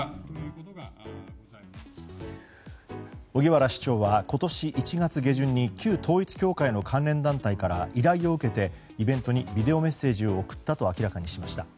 荻原市長は今年１月下旬に旧統一教会の関連団体から依頼を受けてイベントにビデオメッセージを送ったと明らかにしました。